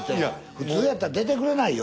普通やったら出てくれないよ。